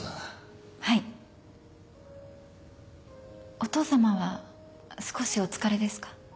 お父さまは少しお疲れですか？